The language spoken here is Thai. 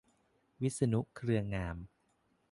วิษณุ เครืองาม